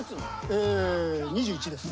え２１です。